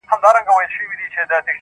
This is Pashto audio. چېرته به د سوي میني زور وینو!